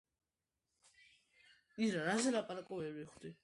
ლათინური ენა კაზიმირის დროს გახდა ძალიან გავრცელებული პოლონეთში.